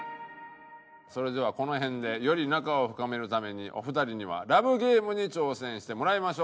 それではこの辺でより仲を深めるためにお二人にはＬＯＶＥＧＡＭＥに挑戦してもらいましょう。